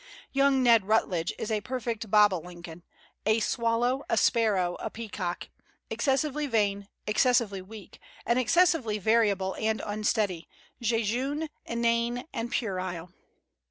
Young Ned Rutledge is a perfect bob o lincoln, a swallow, a sparrow, a peacock; excessively vain, excessively weak, and excessively variable and unsteady, jejune, inane, and puerile."